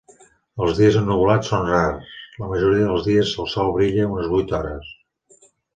Els dies ennuvolats són rars; la majoria dels dies el sol brilla unes vuit hores.